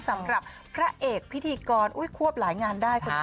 สำหรับพระเอกพิธีกรอุ๊ยควบหลายงานได้ค่ะ